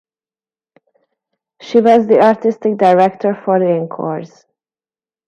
She was the artistic director for the Encores!